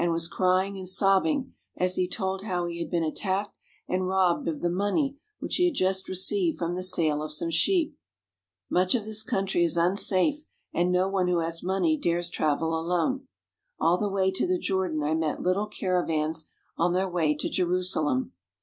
The man was covered with wounds, and was crying and sobbing as he told how he had been attacked and robbed of the money which he had just received from the sale of some sheep. Much of this country is unsafe, and no one who has money dares travel alone. All the way to the Jor dan I met little caravans on their way to Jerusalem.